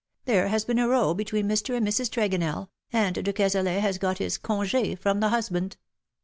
There has been a row between Mr. and Mrs. Tregonell, and de Cazalet has got his conge from the husband.